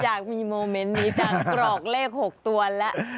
อยากมีโมเมนต์นี้จากกรอกเลข๖ตัวแล้ว